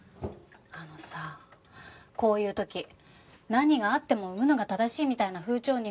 あのさこういう時何があっても産むのが正しいみたいな風潮